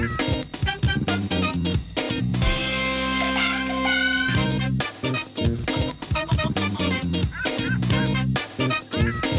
สวัสดีครับ